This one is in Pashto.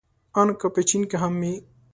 ان که په چين کې هم وي.